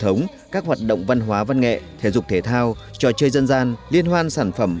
hệ thống các hoạt động văn hóa văn nghệ thể dục thể thao trò chơi dân gian liên hoan sản phẩm